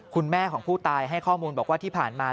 คุณแม่ของผู้ตายให้ข้อมูลบอกว่าที่ผ่านมา